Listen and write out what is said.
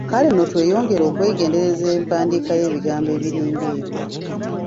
Kale nno tweyongere okwegendereza empandiika y’ebigambo ebiringa ebyo.